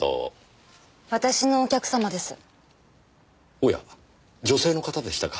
おや女性の方でしたか。